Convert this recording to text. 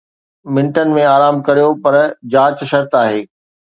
منٽن ۾ آرام ڪريو، پر جاچ شرط آهي.